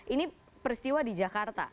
ini peristiwa di jakarta